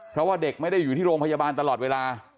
เพราะว่าเด็กไม่ได้อยู่ที่โรงพยาบาลตลอดเวลา